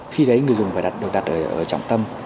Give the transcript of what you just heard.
khi đấy người dùng phải đặt ở trọng tâm